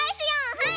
はい。